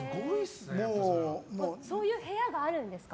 そういう部屋があるんですか？